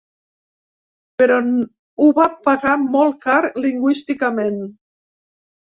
Però ho va pagar molt car lingüísticament.